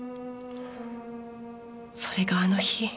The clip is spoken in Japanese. それがあの日。